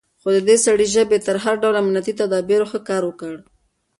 خو د دې سړي ژبې تر هر ډول امنيتي تدابيرو ښه کار وکړ.